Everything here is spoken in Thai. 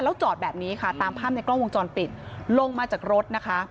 แล้วจอดแบบนี้ค่ะตามภาพในกล้องวงจรปิดลงมาจากรถนะคะ